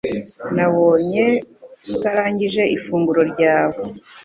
Nabonye utarangije ifunguro ryawe